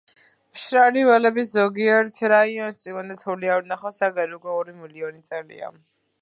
მშრალი ველების ზოგიერთ რაიონს წვიმა და თოვლი არ უნახავს აგერ უკვე ორი მილიონი წელია.